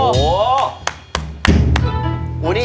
โอ้โหอุ้วนี่